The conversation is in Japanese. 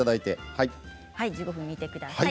１５分、煮てください。